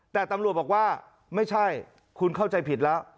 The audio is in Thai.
แต่ตำรวจบอกว่าไม่ใช่คุณเข้าใจผิดแล้ว